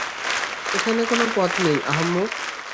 এখানে কোনো পথ নেই, আহাম্মক!